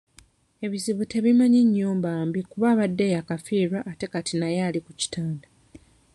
Ebizibu tebimanya nnyumba mbi kuba abadde yakafiirwa ate kati naye ali ku kitanda.